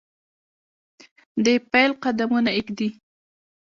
دپیل قدمونه ایږدي